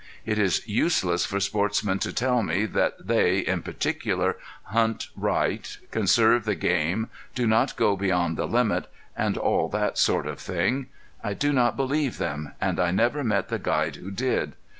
It is useless for sportsmen to tell me that they, in particular, hunt right, conserve the game, do not go beyond the limit, and all that sort of thing. I do not believe them and I never met the guide who did.